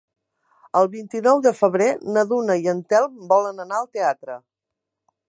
El vint-i-nou de febrer na Duna i en Telm volen anar al teatre.